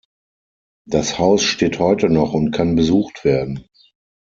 Das Haus steht heute noch und kann besucht werden.